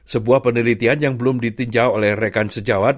sebuah penelitian yang belum ditinjau oleh rekan sejawat